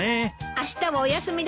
あしたはお休みだし